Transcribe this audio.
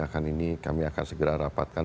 akan ini kami akan segera rapatkan